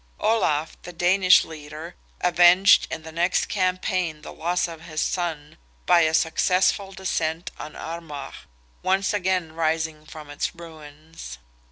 Olaf, the Danish leader, avenged in the next campaign the loss of his son, by a successful descent on Armagh, once again rising from its ruins.